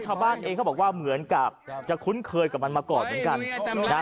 ชาวบ้านเองเขาบอกว่าเหมือนกับจะคุ้นเคยกับมันมาก่อนเหมือนกันนะฮะ